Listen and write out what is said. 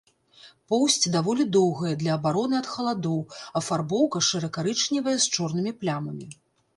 Поўсць даволі доўгая для абароны ад халадоў, афарбоўка шэра-карычневая з чорнымі плямамі.